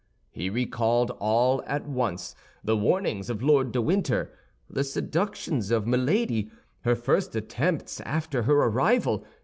He recalled, all at once, the warnings of Lord de Winter, the seductions of Milady, her first attempts after her arrival.